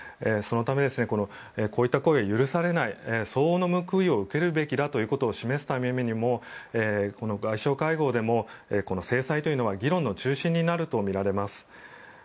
そのためこういった行為は許されない相応の報いを受けるべきだということを示すためにも外相会合でも制裁というのは議論の中心になるとみられます。